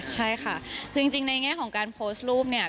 ใช่ค่ะคือจริงในแง่ของการโพสต์รูปเนี่ย